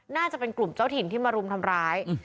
น่าจะเป็นกลุ่มเจ้าถิ่นที่มารุมทำร้าย